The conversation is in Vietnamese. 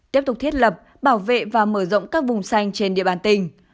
tiếp tục thiết lập bảo vệ và mở rộng các vùng xanh trên địa bàn tỉnh